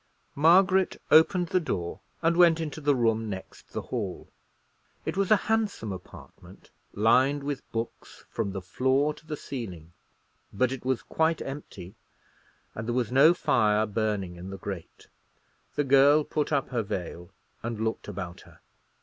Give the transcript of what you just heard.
Margaret opened the door, and went into the room next the hall. It was a handsome apartment, lined with books from the floor to the ceiling; but it was quite empty, and there was no fire burning in the grate. The girl put up her veil, and looked about her.